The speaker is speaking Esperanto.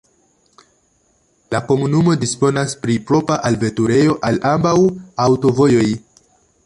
La komunumo disponas pri propra alveturejo al ambaŭ aŭtovojoj.